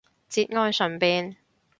節哀順變